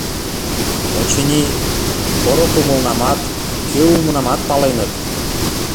Очыни, поро кумылнамат, кӧ улмынамат паленыт...